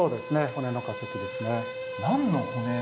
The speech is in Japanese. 骨の化石ですね。